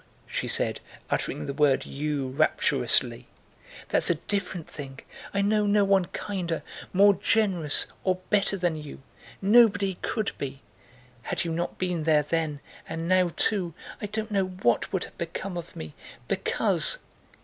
she said, uttering the word you rapturously—"that's a different thing. I know no one kinder, more generous, or better than you; nobody could be! Had you not been there then, and now too, I don't know what would have become of me, because..."